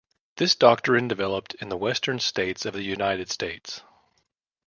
This doctrine developed in the western states of the United States.